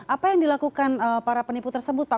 apa yang dilakukan para penipu tersebut pak